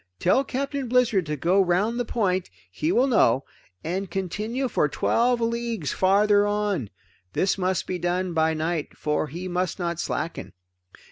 Tell Captain Blizzard to go around the point he will know and continue for twelve leagues farther on. This must be done by night, for he must not slacken.